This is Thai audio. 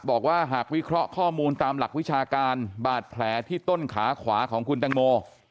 บอกว่าหากวิเคราะห์ข้อมูลตามหลักวิชาการบาดแผลที่ต้นขาขวาของคุณตังโม